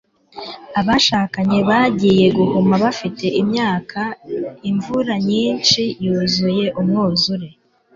abashakanye bagiye guhuma bafite imyaka; imvura nyinshi yuzuye umwuzure